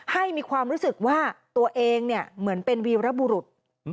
ให้มีความรู้สึกว่าตัวเองเนี่ยเหมือนเป็นวีรบุรุษ